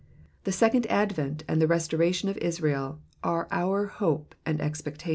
The second advent and the restoration of Israel are our hope and expectation.